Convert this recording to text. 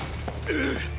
ええ。